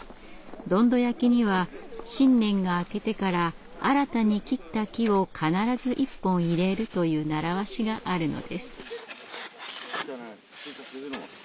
どんど焼きには新年が明けてから新たに切った木を必ず一本入れるという習わしがあるのです。